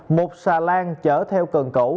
một xà lan chở theo cần cẩu